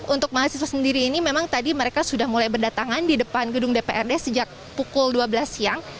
untuk mahasiswa sendiri ini memang tadi mereka sudah mulai berdatangan di depan gedung dprd sejak pukul dua belas siang